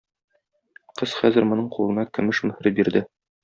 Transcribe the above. Кыз хәзер моның кулына көмеш мөһер бирде.